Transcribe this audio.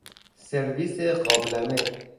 سرویس قابلمه